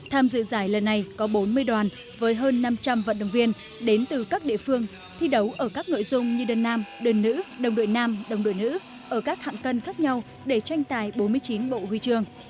tham dự giải lần này có bốn mươi đoàn với hơn năm trăm linh vận động viên đến từ các địa phương thi đấu ở các nội dung như đơn nam đơn nữ đồng đội nam đồng đội nữ ở các hạng cân khác nhau để tranh tài bốn mươi chín bộ huy trường